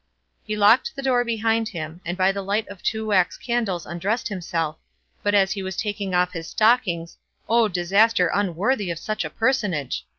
He locked the door behind him, and by the light of two wax candles undressed himself, but as he was taking off his stockings O disaster unworthy of such a personage!